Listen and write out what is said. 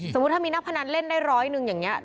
สมมุติถ้ามีนักพนันเล่นได้ร้อยหนึ่งอย่างนี้